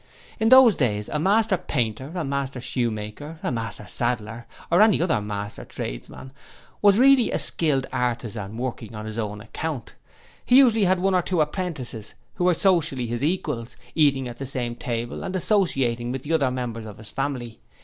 'In those days a master painter, a master shoemaker, a master saddler, or any other master tradesmen, was really a skilled artisan working on his own account. He usually had one or two apprentices, who were socially his equals, eating at the same table and associating with the other members of his family.